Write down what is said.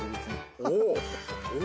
「お」？